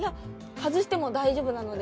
外しても大丈夫なので。